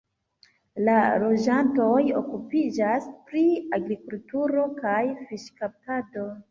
La loĝantoj okupiĝas pri agrikulturo kaj fiŝkaptado.